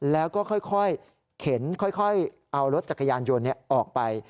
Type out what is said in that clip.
แล้วก็ค่อยเข็นค่อยเอารถจักรยานยนต์ออกไป